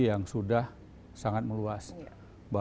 yang sudah sangat menghancurkan